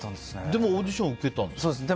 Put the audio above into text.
でも、オーディションを受けたんですよね？